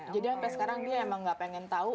jadi sampai sekarang dia emang nggak pengen tahu